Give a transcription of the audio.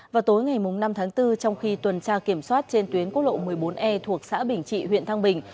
vào tối ngày năm tháng bốn trong khi tuần tra kiểm soát trên tuyến quốc lộ một mươi bốn e thuộc xã bình trị huyện thăng bình